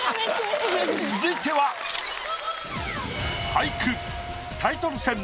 続いては俳句。